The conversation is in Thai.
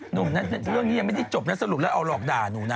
เรื่องนี้เรื่องนี้ยังไม่ได้จบนะสรุปแล้วเอาหลอกด่าหนูนะ